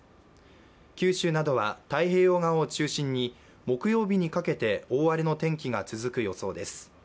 九州などは太平洋側を中心に木曜日にかけて大荒れの天気が続く予想です。